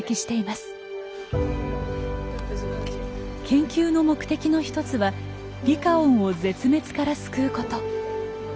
研究の目的の一つはリカオンを絶滅から救うこと。